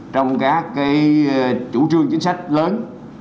trong các cái chủ trương chính sách lớn